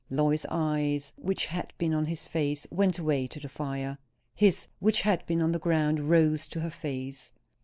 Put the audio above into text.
Lois's eyes, which had been on his face, went away to the fire. His, which had been on the ground, rose to her face.